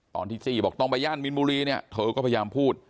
จี้บอกต้องไปย่านมินบุรีเนี่ยเธอก็พยายามพูด